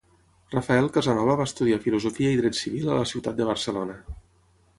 Rafael Casanova va estudiar Filosofia i Dret Civil a la ciutat de Barcelona.